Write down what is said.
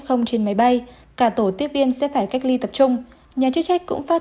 di chuyển trên chiến bay cả tổ tiếp viên sẽ phải cách ly tập trung nhà chức trách cũng phát